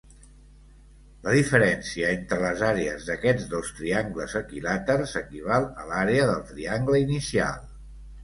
La diferència entre les àrees d'aquests dos triangles equilàters equival a l'àrea del triangle inicial.